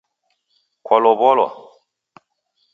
Kwalow'olwa?